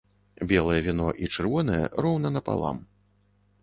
Белае віно і чырвонае роўна напалам.